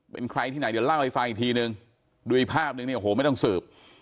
เป็นใครที่ไหนเดี๋ยวเล่าให้ฟังอีกทีนึงดูอีกภาพนึงเนี่ยโอ้โหไม่ต้องสืบ